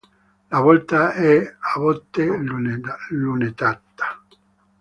La volta è a botte lunettata.